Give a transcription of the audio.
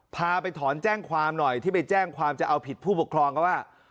พาไปถอนแจ้งความหน่อยที่ไปแจ้งความจะเอาผิดผู้ปกครองเขาว่า